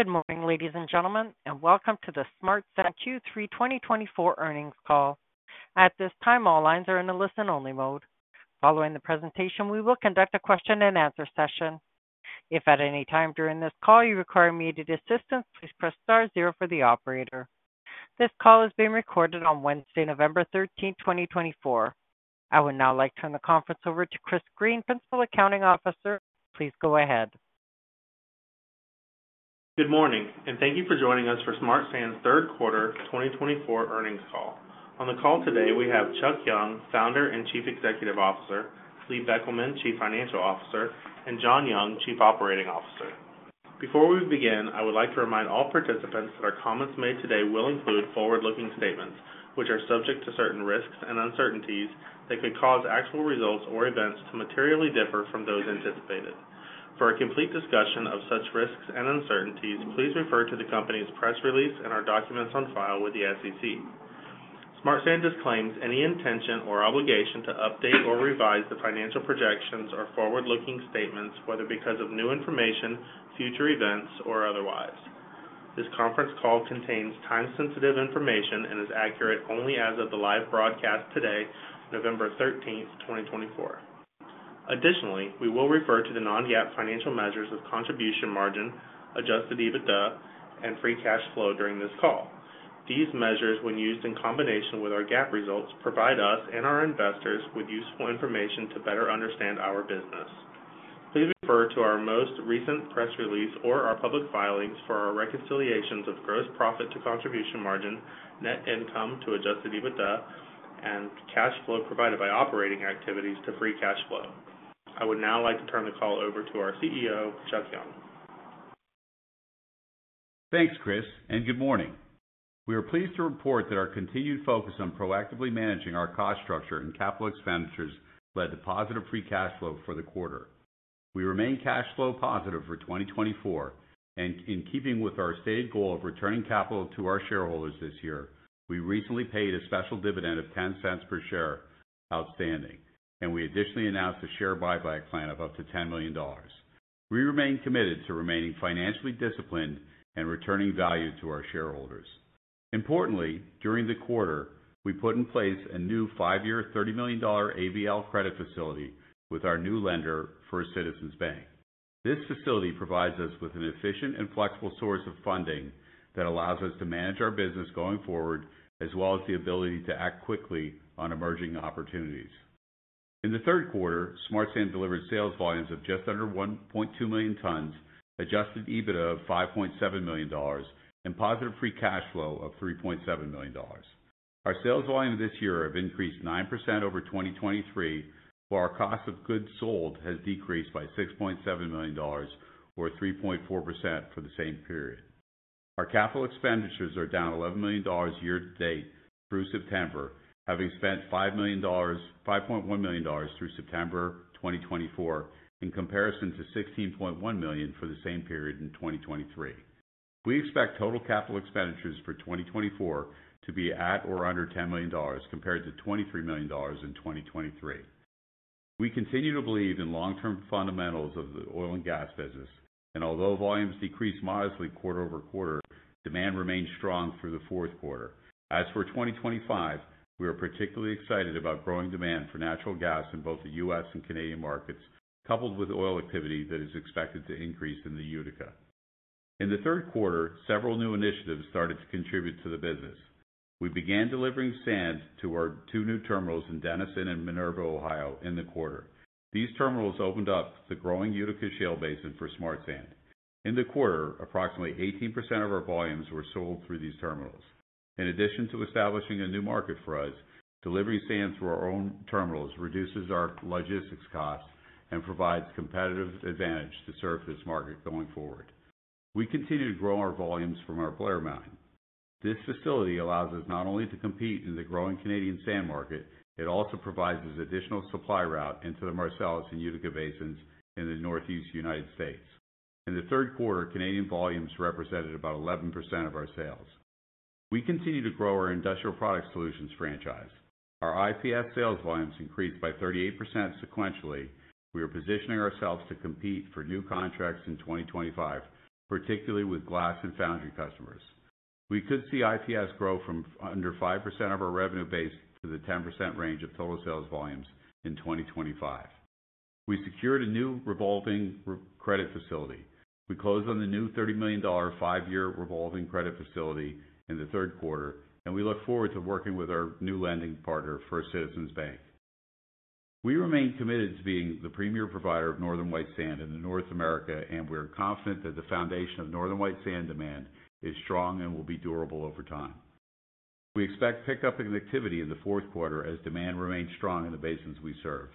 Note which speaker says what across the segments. Speaker 1: Good morning, ladies and gentlemen, and welcome to the Smart Sand Q3 2024 earnings call. At this time, all lines are in a listen-only mode. Following the presentation, we will conduct a question-and-answer session. If at any time during this call you require immediate assistance, please press star zero for the operator. This call is being recorded on Wednesday, November 13th, 2024. I would now like to turn the conference over to Chris Green, Principal Accounting Officer. Please go ahead.
Speaker 2: Good morning, and thank you for joining us for Smart Sand's third quarter 2024 earnings call. On the call today, we have Chuck Young, Founder and CEO, Lee Beckelman, CFO, and John Young, COO. Before we begin, I would like to remind all participants that our comments made today will include forward-looking statements, which are subject to certain risks and uncertainties that could cause actual results or events to materially differ from those anticipated. For a complete discussion of such risks and uncertainties, please refer to the company's press release and our documents on file with the SEC. Smart Sand disclaims any intention or obligation to update or revise the financial projections or forward-looking statements, whether because of new information, future events, or otherwise. This conference call contains time-sensitive information and is accurate only as of the live broadcast today, November 13th, 2024. Additionally, we will refer to the non-GAAP financial measures of contribution margin, adjusted EBITDA, and free cash flow during this call. These measures, when used in combination with our GAAP results, provide us and our investors with useful information to better understand our business. Please refer to our most recent press release or our public filings for our reconciliations of gross profit to contribution margin, net income to adjusted EBITDA, and cash flow provided by operating activities to free cash flow. I would now like to turn the call over to our CEO, Chuck Young.
Speaker 3: Thanks, Chris, and good morning. We are pleased to report that our continued focus on proactively managing our cost structure and capital expenditures led to positive free cash flow for the quarter. We remain cash flow positive for 2024, and in keeping with our stated goal of returning capital to our shareholders this year, we recently paid a special dividend of $0.10 per share outstanding, and we additionally announced a share buyback plan of up to $10 million. We remain committed to remaining financially disciplined and returning value to our shareholders. Importantly, during the quarter, we put in place a new five-year, $30 million ABL credit facility with our new lender, First Citizens Bank. This facility provides us with an efficient and flexible source of funding that allows us to manage our business going forward, as well as the ability to act quickly on emerging opportunities. In the third quarter, Smart Sand delivered sales volumes of just under 1.2 million tons, Adjusted EBITDA of $5.7 million, and positive free cash flow of $3.7 million. Our sales volume this year has increased 9% over 2023, while our cost of goods sold has decreased by $6.7 million, or 3.4% for the same period. Our capital expenditures are down $11 million year-to-date through September, having spent $5.1 million through September 2024 in comparison to $16.1 million for the same period in 2023. We expect total capital expenditures for 2024 to be at or under $10 million compared to $23 million in 2023. We continue to believe in long-term fundamentals of the oil and gas business, and although volumes decreased modestly quarter-over-quarter, demand remained strong through the fourth quarter. As for 2025, we are particularly excited about growing demand for natural gas in both the U.S. and Canadian markets, coupled with oil activity that is expected to increase in the Utica. In the third quarter, several new initiatives started to contribute to the business. We began delivering sand to our two new terminals in Dennison and Minerva, Ohio, in the quarter. These terminals opened up the growing Utica shale basin for Smart Sand. In the quarter, approximately 18% of our volumes were sold through these terminals. In addition to establishing a new market for us, delivering sand through our own terminals reduces our logistics costs and provides a competitive advantage to serve this market going forward. We continue to grow our volumes from our Blair Mine. This facility allows us not only to compete in the growing Canadian sand market, it also provides us an additional supply route into the Marcellus and Utica basins in the northeast United States. In the third quarter, Canadian volumes represented about 11% of our sales. We continue to grow our Industrial Product Solutions franchise. Our IPS sales volumes increased by 38% sequentially. We are positioning ourselves to compete for new contracts in 2025, particularly with glass and foundry customers. We could see IPS grow from under 5% of our revenue base to the 10% range of total sales volumes in 2025. We secured a new revolving credit facility. We closed on the new $30 million five-year revolving credit facility in the third quarter, and we look forward to working with our new lending partner, First Citizens Bank. We remain committed to being the premier provider of Northern White Sand in North America, and we are confident that the foundation of Northern White Sand demand is strong and will be durable over time. We expect pickup in activity in the fourth quarter as demand remains strong in the basins we serve.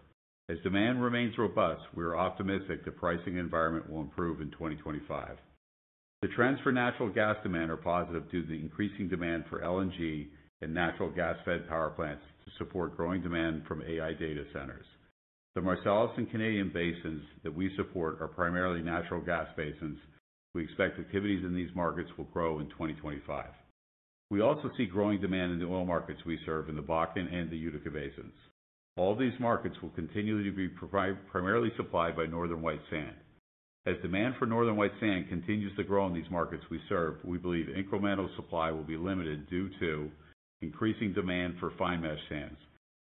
Speaker 3: As demand remains robust, we are optimistic the pricing environment will improve in 2025. The trends for natural gas demand are positive due to the increasing demand for LNG and natural gas-fed power plants to support growing demand from AI data centers. The Marcellus and Canadian basins that we support are primarily natural gas basins. We expect activities in these markets will grow in 2025. We also see growing demand in the oil markets we serve in the Bakken and the Utica basins. All these markets will continually be primarily supplied by Northern White Sand. As demand for Northern White Sand continues to grow in these markets we serve, we believe incremental supply will be limited due to increasing demand for fine mesh sands.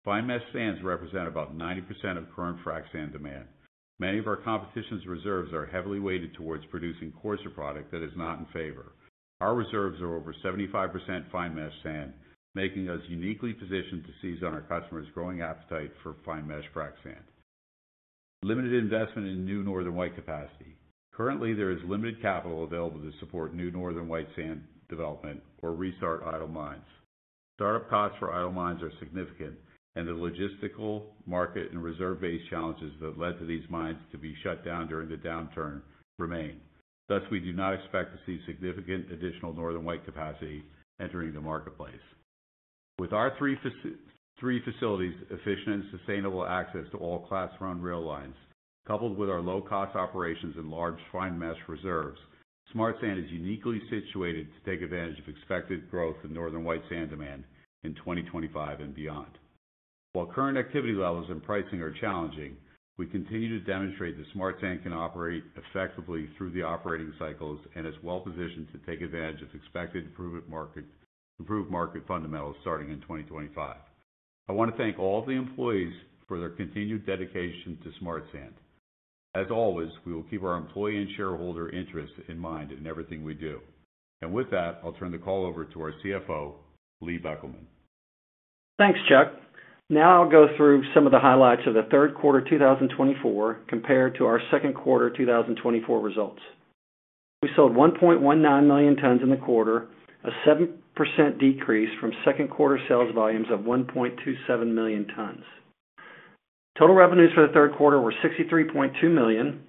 Speaker 3: Fine mesh sands represent about 90% of current frac sand demand. Many of our competition's reserves are heavily weighted towards producing coarser product that is not in favor. Our reserves are over 75% fine mesh sand, making us uniquely positioned to seize on our customers' growing appetite for fine mesh frac sand. Limited investment in new Northern White capacity. Currently, there is limited capital available to support new Northern White Sand development or restart idle mines. Startup costs for idle mines are significant, and the logistical, market, and reserve-based challenges that led to these mines to be shut down during the downturn remain. Thus, we do not expect to see significant additional Northern White capacity entering the marketplace. With our three facilities' efficient and sustainable access to all Class I rail lines, coupled with our low-cost operations and large fine mesh reserves, Smart Sand is uniquely situated to take advantage of expected growth in Northern White Sand demand in 2025 and beyond. While current activity levels and pricing are challenging, we continue to demonstrate that Smart Sand can operate effectively through the operating cycles and is well-positioned to take advantage of expected improved market fundamentals starting in 2025. I want to thank all of the employees for their continued dedication to Smart Sand. As always, we will keep our employee and shareholder interests in mind in everything we do. And with that, I'll turn the call over to our CFO, Lee Beckelman.
Speaker 4: Thanks, Chuck. Now I'll go through some of the highlights of the third quarter 2024 compared to our second quarter 2024 results. We sold 1.19 million tons in the quarter, a 7% decrease from second quarter sales volumes of 1.27 million tons. Total revenues for the third quarter were $63.2 million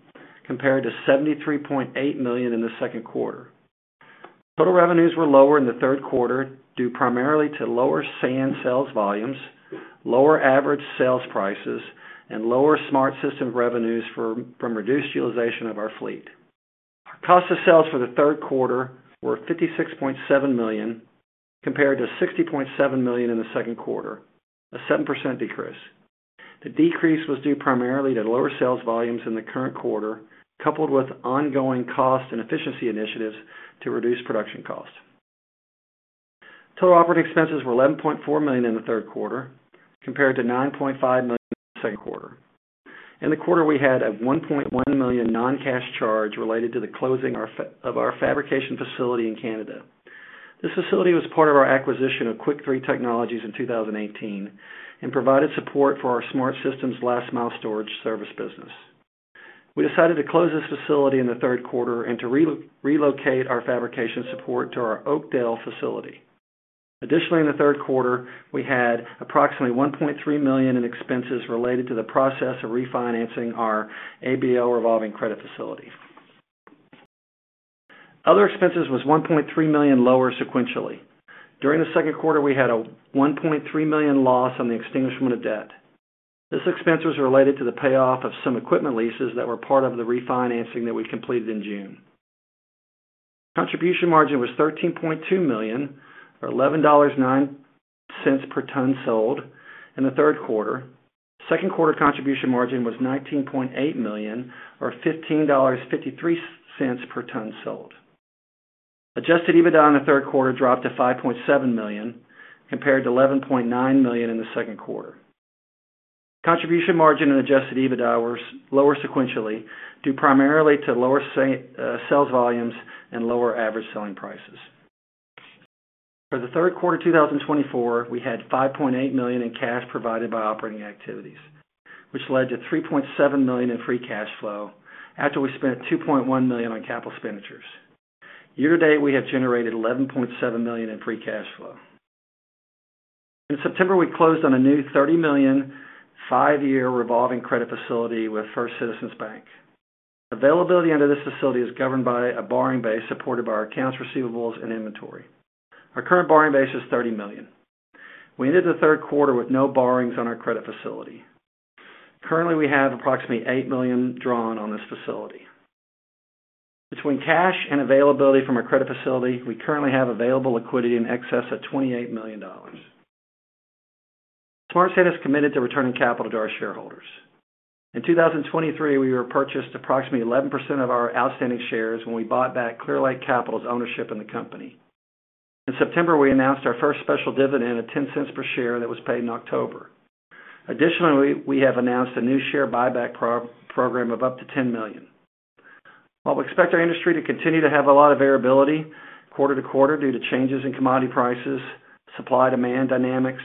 Speaker 4: compared to $73.8 million in the second quarter. Total revenues were lower in the third quarter due primarily to lower sand sales volumes, lower average sales prices, and lower Smart Systems revenues from reduced utilization of our fleet. Our cost of sales for the third quarter were $56.7 million compared to $60.7 million in the second quarter, a 7% decrease. The decrease was due primarily to lower sales volumes in the current quarter, coupled with ongoing cost and efficiency initiatives to reduce production cost. Total operating expenses were $11.4 million in the third quarter compared to $9.5 million in the second quarter. In the quarter, we had a $1.1 million non-cash charge related to the closing of our fabrication facility in Canada. This facility was part of our acquisition of Quickthree Technologies in 2018 and provided support for our Smart Systems last-mile storage service business. We decided to close this facility in the third quarter and to relocate our fabrication support to our Oakdale facility. Additionally, in the third quarter, we had approximately $1.3 million in expenses related to the process of refinancing our ABL revolving credit facility. Other expenses were $1.3 million lower sequentially. During the second quarter, we had a $1.3 million loss on the extinguishment of debt. This expense was related to the payoff of some equipment leases that were part of the refinancing that we completed in June. Contribution margin was $13.2 million, or $11.09 per ton sold in the third quarter. Second quarter contribution margin was $19.8 million, or $15.53 per ton sold. Adjusted EBITDA in the third quarter dropped to $5.7 million compared to $11.9 million in the second quarter. Contribution margin and Adjusted EBITDA were lower sequentially due primarily to lower sales volumes and lower average selling prices. For the third quarter 2024, we had $5.8 million in cash provided by operating activities, which led to $3.7 million in free cash flow after we spent $2.1 million on capital expenditures. Year-to-date, we have generated $11.7 million in free cash flow. In September, we closed on a new $30 million five-year revolving credit facility with First Citizens Bank. Availability under this facility is governed by a borrowing base supported by our accounts, receivables, and inventory. Our current borrowing base is $30 million. We ended the third quarter with no borrowings on our credit facility. Currently, we have approximately $8 million drawn on this facility. Between cash and availability from our credit facility, we currently have available liquidity in excess of $28 million. Smart Sand is committed to returning capital to our shareholders. In 2023, we repurchased approximately 11% of our outstanding shares when we bought back Clearlake Capital's ownership in the company. In September, we announced our first special dividend of $0.10 per share that was paid in October. Additionally, we have announced a new share buyback program of up to 10 million. While we expect our industry to continue to have a lot of variability quarter to quarter due to changes in commodity prices, supply-demand dynamics,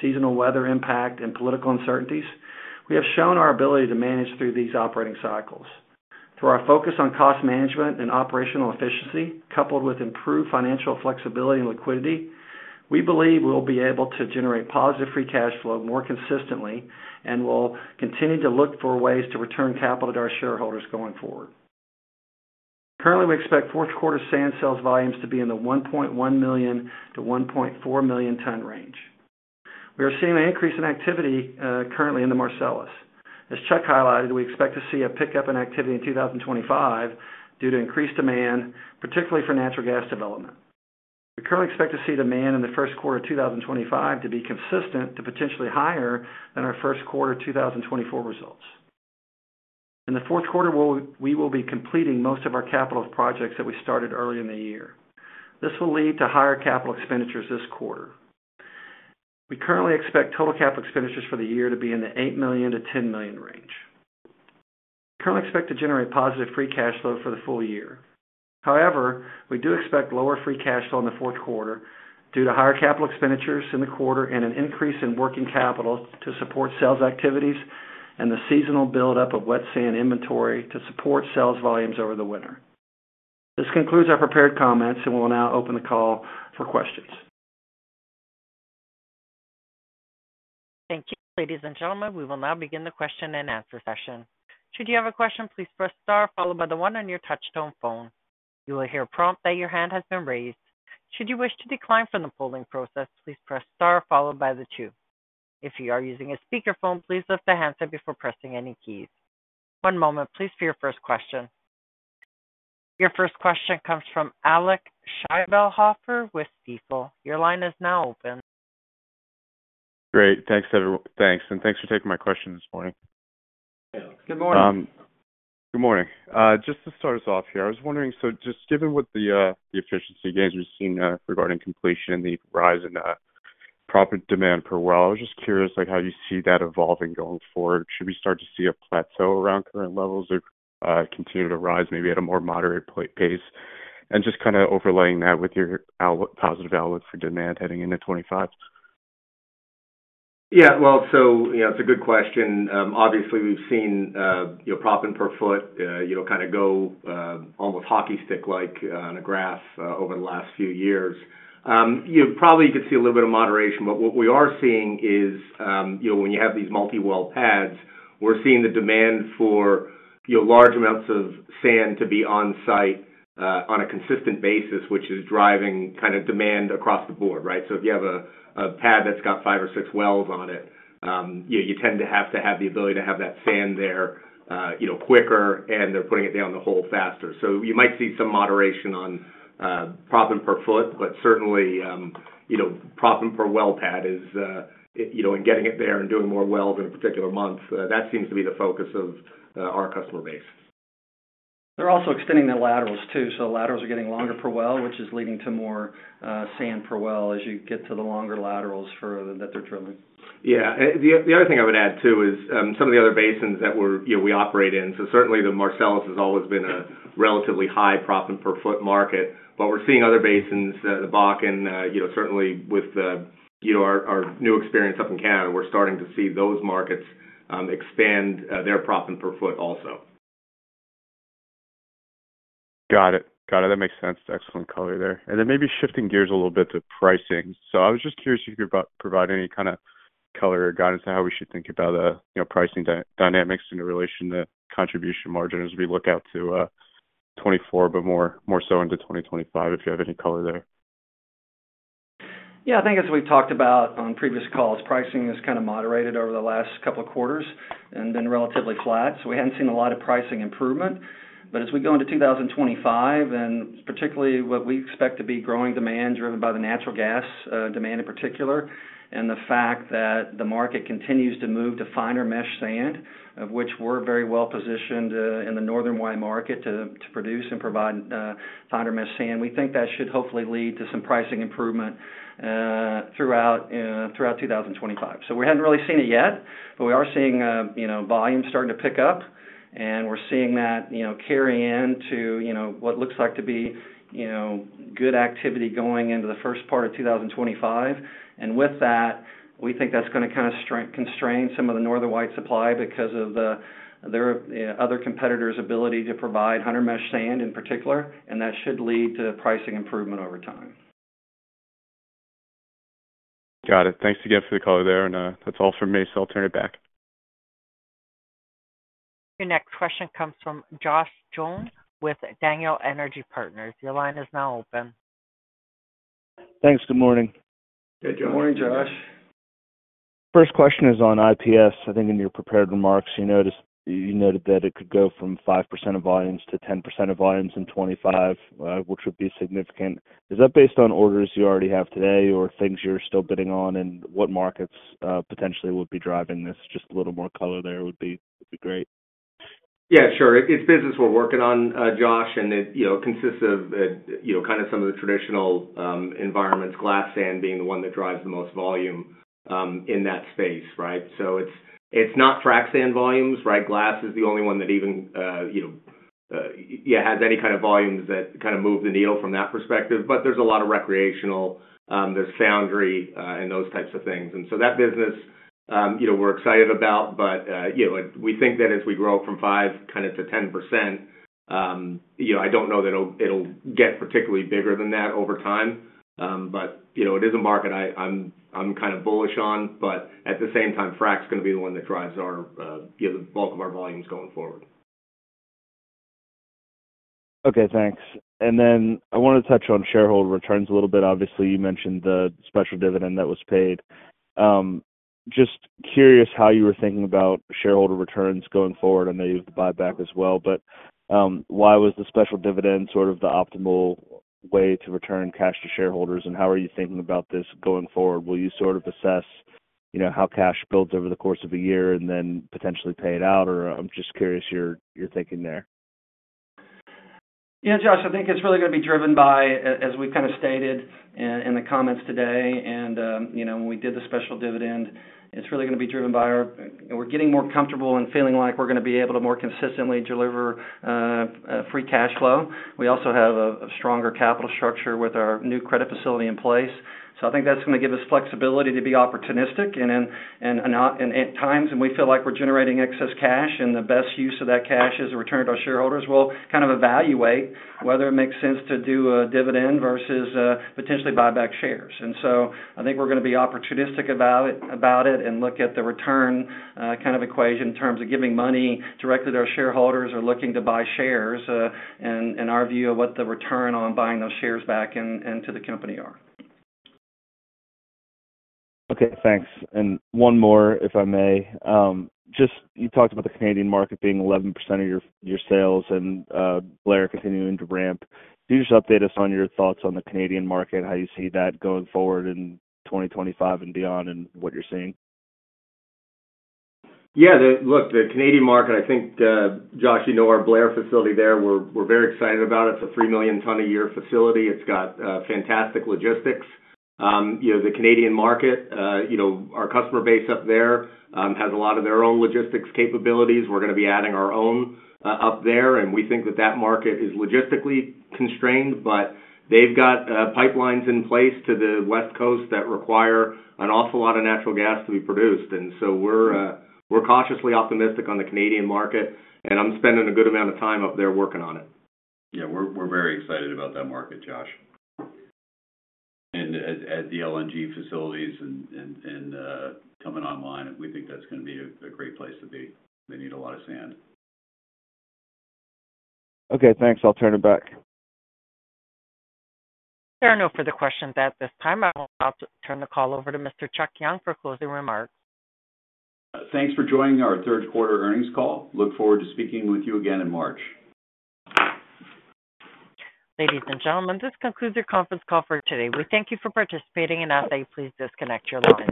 Speaker 4: seasonal weather impact, and political uncertainties, we have shown our ability to manage through these operating cycles. Through our focus on cost management and operational efficiency, coupled with improved financial flexibility and liquidity, we believe we will be able to generate positive free cash flow more consistently and will continue to look for ways to return capital to our shareholders going forward. Currently, we expect fourth quarter sand sales volumes to be in the 1.1 million-1.4 million ton range. We are seeing an increase in activity currently in the Marcellus. As Chuck highlighted, we expect to see a pickup in activity in 2025 due to increased demand, particularly for natural gas development. We currently expect to see demand in the first quarter of 2025 to be consistent to potentially higher than our first quarter 2024 results. In the fourth quarter, we will be completing most of our capital projects that we started early in the year. This will lead to higher capital expenditures this quarter. We currently expect total capital expenditures for the year to be in the $8 million-$10 million range. We currently expect to generate positive free cash flow for the full year. However, we do expect lower free cash flow in the fourth quarter due to higher capital expenditures in the quarter and an increase in working capital to support sales activities and the seasonal buildup of wet sand inventory to support sales volumes over the winter. This concludes our prepared comments, and we will now open the call for questions.
Speaker 1: Thank you, ladies and gentlemen. We will now begin the question and answer session. Should you have a question, please press star, then the one on your touch-tone phone. You will hear a prompt that your hand has been raised. Should you wish to withdraw from the polling process, please press star, then the two. If you are using a speakerphone, please lift the handset before pressing any keys. One moment, please, for your first question. Your first question comes from Alec Scheibelhoffer with Stifel. Your line is now open.
Speaker 5: Great. Thanks, everyone. Thanks. And thanks for taking my question this morning.
Speaker 3: Good morning.
Speaker 5: Good morning. Just to start us off here, I was wondering, so just given what the efficiency gains we've seen regarding completion and the rise in proppant demand per well, I was just curious how you see that evolving going forward. Should we start to see a plateau around current levels or continue to rise, maybe at a more moderate pace, and just kind of overlaying that with your positive outlook for demand heading into 2025.
Speaker 6: Yeah. Well, so it's a good question. Obviously, we've seen proppant per foot kind of go almost hockey stick-like on a graph over the last few years. Probably you could see a little bit of moderation, but what we are seeing is when you have these multi-well pads, we're seeing the demand for large amounts of sand to be on-site on a consistent basis, which is driving kind of demand across the board, right? So if you have a pad that's got five or six wells on it, you tend to have to have the ability to have that sand there quicker, and they're putting it down the hole faster. So you might see some moderation on proppant per foot, but certainly proppant per well pad is in getting it there and doing more wells in a particular month. That seems to be the focus of our customer base.
Speaker 4: They're also extending their laterals too, so the laterals are getting longer per well, which is leading to more sand per well as you get to the longer laterals that they're drilling.
Speaker 6: Yeah. The other thing I would add too is some of the other basins that we operate in. So certainly the Marcellus has always been a relatively high proppant per foot market, but we're seeing other basins, the Bakken, certainly with our new experience up in Canada, we're starting to see those markets expand their proppant per foot also.
Speaker 5: Got it. Got it. That makes sense. Excellent color there. And then maybe shifting gears a little bit to pricing. So I was just curious if you could provide any kind of color or guidance on how we should think about pricing dynamics in relation to contribution margins as we look out to 2024, but more so into 2025, if you have any color there.
Speaker 4: Yeah. I think as we've talked about on previous calls, pricing has kind of moderated over the last couple of quarters and been relatively flat. So we hadn't seen a lot of pricing improvement. But as we go into 2025, and particularly what we expect to be growing demand driven by the natural gas demand in particular, and the fact that the market continues to move to finer mesh sand, of which we're very well positioned in the Northern White market to produce and provide finer mesh sand, we think that should hopefully lead to some pricing improvement throughout 2025. So we haven't really seen it yet, but we are seeing volume starting to pick up, and we're seeing that carry into what looks like to be good activity going into the first part of 2025. With that, we think that's going to kind of constrain some of the Northern White supply because of their other competitors' ability to provide 100 mesh sand in particular, and that should lead to pricing improvement over time.
Speaker 5: Got it. Thanks again for the color there. And that's all for me, so I'll turn it back.
Speaker 1: Your next question comes from Josh Jayne with Daniel Energy Partners. Your line is now open.
Speaker 7: Thanks. Good morning.
Speaker 3: Good morning, Josh.
Speaker 7: First question is on IPS. I think in your prepared remarks, you noted that it could go from 5% of volumes to 10% of volumes in 2025, which would be significant. Is that based on orders you already have today or things you're still bidding on, and what markets potentially would be driving this? Just a little more color there would be great.
Speaker 6: Yeah, sure. It's business we're working on, Josh, and it consists of kind of some of the traditional environments, glass sand being the one that drives the most volume in that space, right? So it's not frac sand volumes, right? Glass is the only one that even, yeah, has any kind of volumes that kind of move the needle from that perspective. But there's a lot of recreational, there's foundry, and those types of things. And so that business we're excited about, but we think that as we grow from 5% kind of to 10%, I don't know that it'll get particularly bigger than that over time, but it is a market I'm kind of bullish on. But at the same time, frac's going to be the one that drives the bulk of our volumes going forward.
Speaker 7: Okay. Thanks. And then I want to touch on shareholder returns a little bit. Obviously, you mentioned the special dividend that was paid. Just curious how you were thinking about shareholder returns going forward. I know you have the buyback as well, but why was the special dividend sort of the optimal way to return cash to shareholders, and how are you thinking about this going forward? Will you sort of assess how cash builds over the course of a year and then potentially pay it out, or I'm just curious your thinking there.
Speaker 4: Yeah, Josh, I think it's really going to be driven by, as we've kind of stated in the comments today, and when we did the special dividend, it's really going to be driven by us. We're getting more comfortable and feeling like we're going to be able to more consistently deliver free cash flow. We also have a stronger capital structure with our new credit facility in place. So I think that's going to give us flexibility to be opportunistic. And at times, when we feel like we're generating excess cash and the best use of that cash is to return it to our shareholders, we'll kind of evaluate whether it makes sense to do a dividend versus potentially buyback shares. And so I think we're going to be opportunistic about it and look at the return kind of equation in terms of giving money directly to our shareholders or looking to buy shares and our view of what the return on buying those shares back into the company are.
Speaker 7: Okay. Thanks. And one more, if I may. Just you talked about the Canadian market being 11% of your sales and Blair continuing to ramp. Could you just update us on your thoughts on the Canadian market, how you see that going forward in 2025 and beyond and what you're seeing?
Speaker 6: Yeah. Look, the Canadian market, I think, Josh, you know our Blair facility there. We're very excited about it. It's a three million ton a year facility. It's got fantastic logistics. The Canadian market, our customer base up there has a lot of their own logistics capabilities. We're going to be adding our own up there, and we think that that market is logistically constrained, but they've got pipelines in place to the West Coast that require an awful lot of natural gas to be produced. And so we're cautiously optimistic on the Canadian market, and I'm spending a good amount of time up there working on it. Yeah. We're very excited about that market, Josh. And as the LNG facilities and coming online, we think that's going to be a great place to be. They need a lot of sand.
Speaker 7: Okay. Thanks. I'll turn it back.
Speaker 1: There are no further questions at this time. I will now turn the call over to Mr. Chuck Young for closing remarks.
Speaker 3: Thanks for joining our third quarter earnings call. Look forward to speaking with you again in March.
Speaker 1: Ladies and gentlemen, this concludes our conference call for today. We thank you for participating, and ask that you please disconnect your lines.